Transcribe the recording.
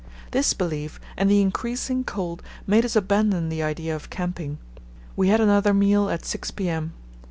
This belief and the increasing cold made us abandon the idea of camping. We had another meal at 6 p.m.